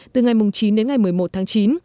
từ ngày chín đến ngày một mươi một tháng chín